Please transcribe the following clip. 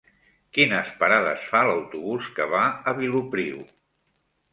Quines parades fa l'autobús que va a Vilopriu?